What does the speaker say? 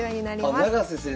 あ永瀬先生。